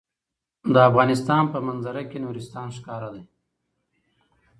د افغانستان په منظره کې نورستان ښکاره ده.